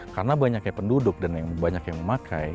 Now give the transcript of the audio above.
karena banyaknya penduduk dan banyak yang memakai